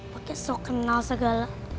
pakai sok kenal segala